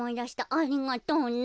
ありがとうね。